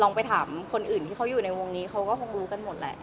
ไปถามคนอื่นที่เขาอยู่ในวงนี้เขาก็คงรู้กันหมดแหละ